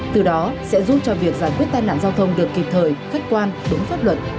từ đó sẽ giúp cho việc giải quyết tai nạn giao thông được kịp thời khách quan đúng pháp luật